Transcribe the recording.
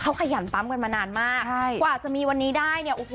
เขาขยันปั๊มกันมานานมากใช่กว่าจะมีวันนี้ได้เนี่ยโอ้โห